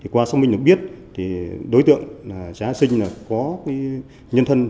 qua xác minh được biết đối tượng trá a sinh có nhân thân